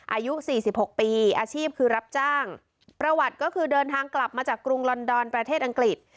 อายุสี่สิบหกปีอาชีพคือรับจ้างประวัติก็คือเดินทางกลับมาจากกรุงลอนดอนประเทศอังกฤษ